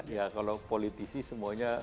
ya kalau politisi semuanya